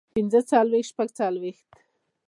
پنځۀ څلوېښت شپږ څلوېښت